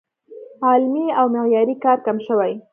علمي او معیاري کار کم شوی